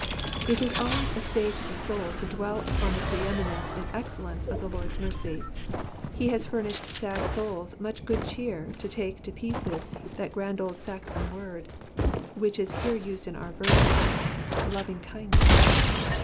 It is always a stay to the soul to dwell upon the pre eminence and excellence of the Lord^s mercy. It has furnished sad souls much good cheer to take to pieces that grand old Saxon word, which is here used in our version, ''lovingkindness.''